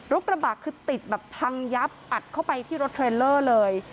กระบะคือติดแบบพังยับอัดเข้าไปที่รถเทรลเลอร์เลย